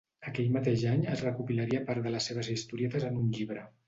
Aquell mateix any es recopilaria part de les seves historietes en un llibre.